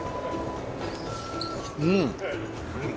うん。